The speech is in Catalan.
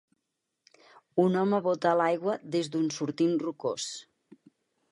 Un home bota a l'aigua des d'un sortint rocós.